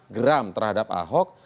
geram terhadap ahok